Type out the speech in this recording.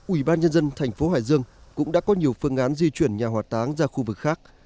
ubnd thành phố hải dương cũng đã có nhiều phương án di chuyển nhà hỏa táng ra khu vực khác